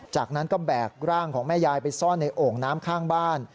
จากนั้นก็แบกร่างของแม่ยายไปซ่อนในโอ่งน้ำข้างบ้าน